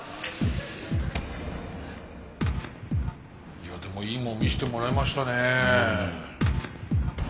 いやでもいいもん見してもらいましたね。